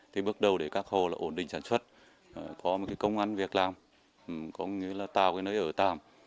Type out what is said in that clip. thì bước đầu để các hồ là ổn định sản xuất có một công an việc làm có nghĩa là tạo nơi ở tạm